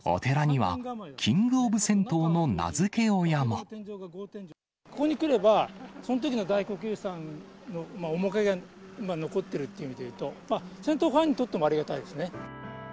お寺には、ここに来れば、そのときの大黒湯さんの面影が残っているっていう意味でいうと、銭湯ファンにとってもありがたいですね。